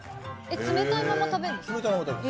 冷たいまま食べるんですか？